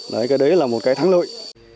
đấy cái đấy là một cái thắng lợi